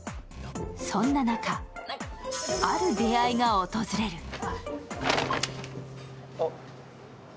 そんな中、ある出会いが訪れる。